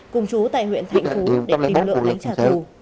cùng chú tại huyện thạnh phú để tìm lượng đánh trả thù